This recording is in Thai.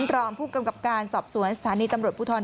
รองผู้กำกับการสอบสวนสถานีตำรวจภูทร